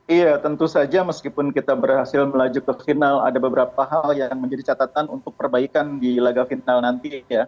iya tentu saja meskipun kita berhasil melaju ke final ada beberapa hal yang menjadi catatan untuk perbaikan di laga final nanti